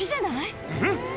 えっ？